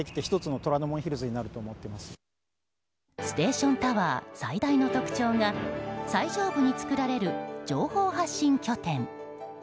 ステーションタワー最大の特徴が最上部に作られる情報発信拠点。